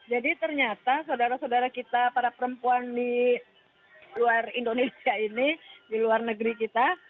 jadi ternyata saudara saudara kita para perempuan di luar indonesia ini di luar negeri kita